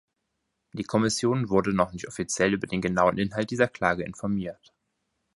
Die Kommission wurde noch nicht offiziell über den genauen Inhalt dieser Klage informiert.